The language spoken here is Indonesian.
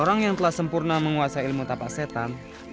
orang yang telah sempurna menguasai ilmu tapak setan